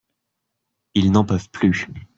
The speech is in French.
Ils n’en peuvent plus.